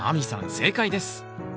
正解です。